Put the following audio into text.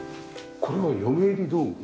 これは嫁入り道具？